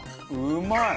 うまい！